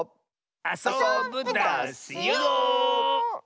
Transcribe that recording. あそぶダスよ！